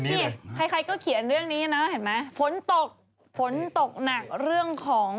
ฝนตกหนักเรื่องของฝนตกกันสักนิดหนึ่ง